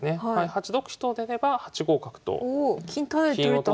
８六飛と出れば８五角と金を金タダで取れた。